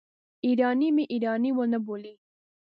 ایراني مې ایراني ونه بولي.